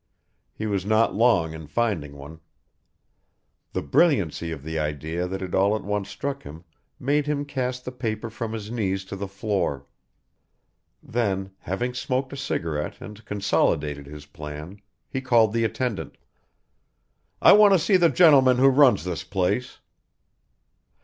He was not long in finding one. The brilliancy of the idea that had all at once struck him made him cast the paper from his knees to the floor. Then, having smoked a cigarette and consolidated his plan, he called the attendant. "I want to see the gentleman who runs this place."